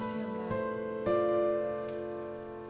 pasti mau marah